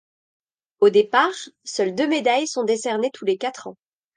Au départ, seules deux médailles sont décernées tous les quatre ans.